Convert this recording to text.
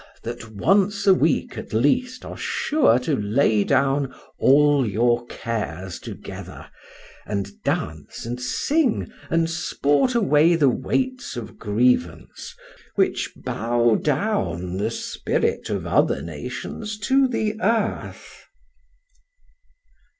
that once a week at least are sure to lay down all your cares together, and dance and sing and sport away the weights of grievance, which bow down the spirit of other nations to the earth.